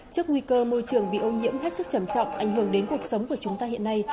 trước nguy cơ môi trường bị ô nhiễm hết sức trầm trọng ảnh hưởng đến cuộc sống của chúng ta hiện nay